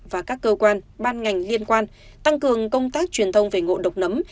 và các cơ quan ban ngành liên quan tăng cường công tác truyền thông về ngộ độc nấm